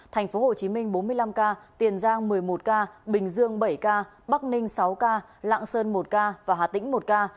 tp hcm bốn mươi năm ca tiền giang một mươi một ca bình dương bảy ca bắc ninh sáu ca lạng sơn một ca và hà tĩnh một ca